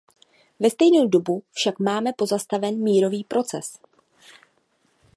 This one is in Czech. Ve stejnou dobu však máme pozastaven mírový proces.